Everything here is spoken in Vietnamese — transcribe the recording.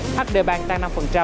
hdbank tăng năm